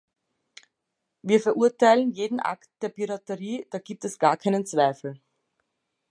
Wir verurteilen jeden Akt der Piraterie, da gibt es gar keinen Zweifel.